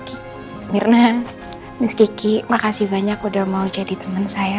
ini harus diceritakan sebelum nantinya timbul masalah baru